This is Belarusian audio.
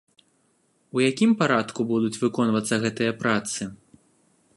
У якім парадку будуць выконвацца гэтыя працы?